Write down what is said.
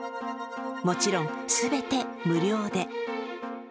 もちろん全て無料で。